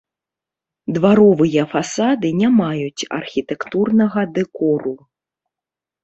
Дваровыя фасады не маюць архітэктурнага дэкору.